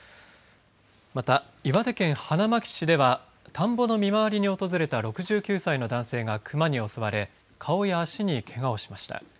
また岩手県花巻市では田んぼの見回りに訪れた６９歳の男性が熊に襲われ顔や足にけがをしました。